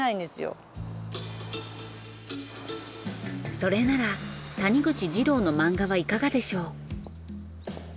それなら谷口ジローの漫画はいかがでしょう。